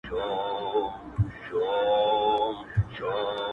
ستا شربتي سونډو ته، بې حال پروت و,